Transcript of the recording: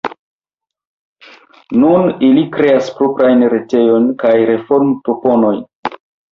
Nun ili kreas proprajn retejojn kaj reformproponojn.